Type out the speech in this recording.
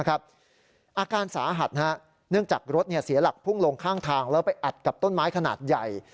อาการสาหัสเนื่องจากรถเสียหลักพุ่งลงข้างทางแล้วไปอัดกับต้นไม้ขนาดใหญ่